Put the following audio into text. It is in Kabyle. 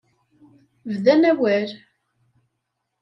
Bdan awal.